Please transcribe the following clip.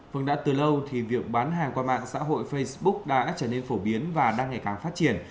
vâng đã từ lâu thì việc bán hàng qua mạng xã hội facebook đã trở nên phổ biến và đang ngày càng phát triển